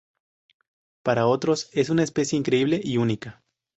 Para otros, es una pieza increíble y única.